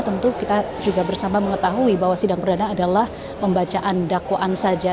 tentu kita juga bersama mengetahui bahwa sidang perdana adalah pembacaan dakwaan saja